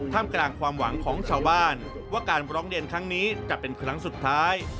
มกลางความหวังของชาวบ้านว่าการร้องเรียนครั้งนี้จะเป็นครั้งสุดท้าย